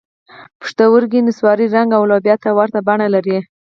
پښتورګي نسواري رنګ او لوبیا ته ورته بڼه لري.